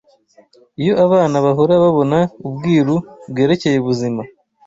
Iyo abana bahora babona ubwiru bwerekeye ubuzima